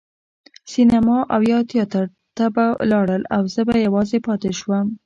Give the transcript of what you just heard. سینما او یا تیاتر ته به لاړل او زه به یوازې پاتې شوم.